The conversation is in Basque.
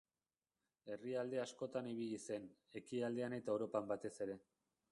Herrialde askotan ibili zen, Ekialdean eta Europan batez ere.